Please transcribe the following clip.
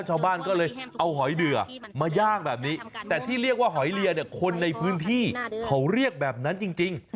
ชาวบ้านก็เลยเอาหอยเดือมาย่างแบบนี้แต่ที่เรียกว่าหอยเลียเนี่ยคนในพื้นที่เขาเรียกแบบนั้นจริง